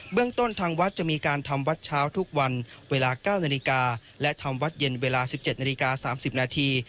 เรื่องต้นทางวัดจะมีการทำวัดเช้าทุกวันเวลา๙นาฬิกาและทำวัดเย็นเวลา๑๗นาฬิกา๓๐นาที